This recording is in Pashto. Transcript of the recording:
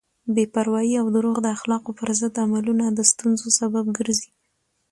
بې پروایی او دروغ د اخلاقو پر ضد عملونه د ستونزو سبب ګرځي.